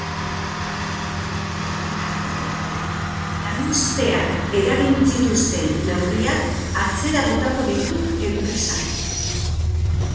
Horren arabera, lanuzteak eragin zituzten neurriak atzera botako ditu enpresak.